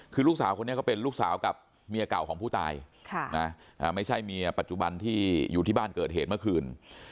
คือลูกสาวคนนี้ก็เป็นลูกสาวกับเมียเก่าของผู้ตายไม่ใช่เมียปัจจุบันที่อยู่ที่บ้านเกิดเหตุเมื่อคืน